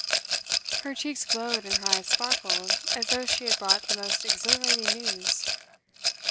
Her cheeks glowed and her eyes sparkled, as though she had brought the most exhilarating news.